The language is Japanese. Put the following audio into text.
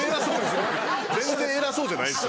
全然偉そうじゃないです